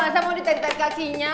masa mau ditarik tarik kakinya